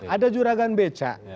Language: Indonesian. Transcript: ada juragan beca